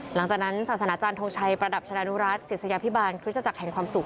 หลังจากนั้นศาสนาจารย์ทงชัยประดับชะดานุรัติศิษยาพิบาลคริสตจักรแห่งความสุข